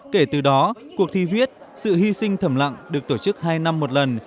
kể từ đó cuộc thi viết sự hy sinh thầm lặng được tổ chức hai năm một lần